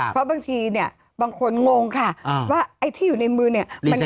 เพราะบางทีบางคนงงค่ะไอ้ที่อยู่ในมือนี่